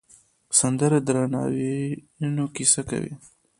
سندره د ناورینونو کیسه کوي